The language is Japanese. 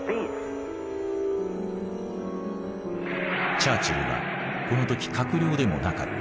チャーチルはこの時閣僚でもなかった。